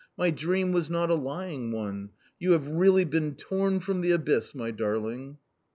My dream was not a lying one ; you have really been torn from the abyss, my darling